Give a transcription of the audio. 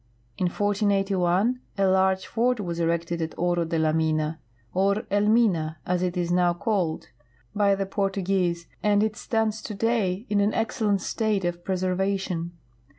In 1481 a large fort was erected at Oro de la Mina, or Elniina, as it is now called, b}' the Portuguese, and it stands today in an excellent state of preservation.